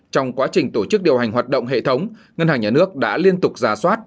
trong quá trình tổ chức điều hành hoạt động hệ thống ngân hàng nhà nước đã liên tục giả soát